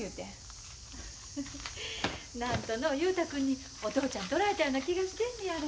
フフッ何とのう雄太君にお父ちゃんとられたような気がしてんねやろ。